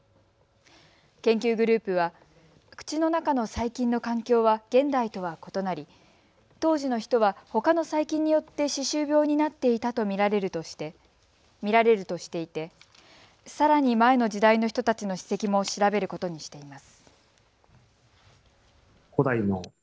研究グループは口の中の細菌の環境は現代とは異なり当時の人は、ほかの細菌によって歯周病になっていたと見られるとしていてさらに前の時代の人たちの歯石も調べることにしています。